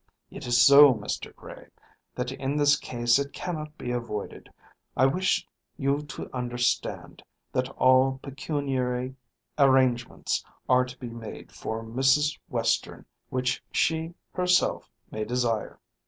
"It is so, Mr. Gray, that in this case it cannot be avoided. I wish you to understand, that all pecuniary arrangements are to be made for Mrs. Western which she herself may desire.